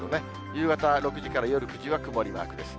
夕方６時から夜９時は曇りマークです。